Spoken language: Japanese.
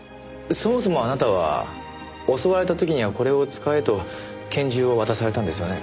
そもそもあなたは襲われた時にはこれを使えと拳銃を渡されたんですよね？